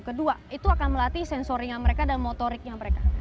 kedua itu akan melatih sensorinya mereka dan motoriknya mereka